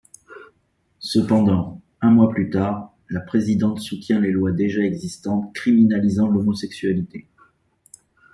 Cependant, un mois plus tard, la présidente soutient les lois déjà existantes criminalisant l'homosexualité.